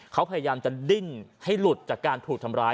เขาพยายามจะดิ้นให้หลุดจากการถูกทำร้าย